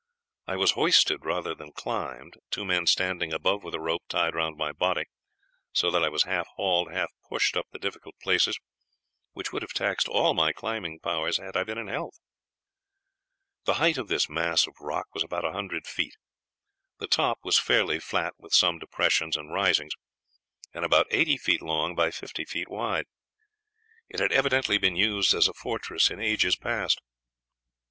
I was hoisted rather than climbed, two men standing above with a rope, tied round my body, so that I was half hauled, half pushed up the difficult places, which would have taxed all my climbing powers had I been in health. "The height of this mass of rock was about a hundred feet; the top was fairly flat, with some depressions and risings, and about eighty feet long by fifty wide. It had evidently been used as a fortress in ages past.